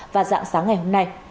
và dạng sáng ngày hôm nay